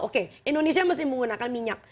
oke indonesia mesti menggunakan minyak